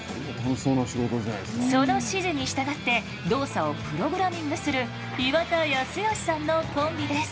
その指示に従って動作をプログラミングする岩田康義さんのコンビです。